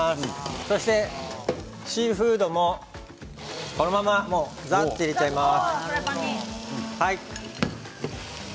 そして、シーフードもこのままざっと入れてしまいます。